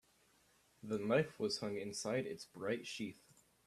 The knife was hung inside its bright sheath.